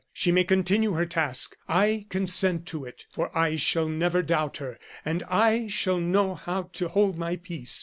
She may continue her task. I consent to it, for I shall never doubt her, and I shall know how to hold my peace.